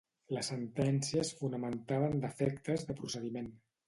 La sentència es fonamentava en defectes de procediment.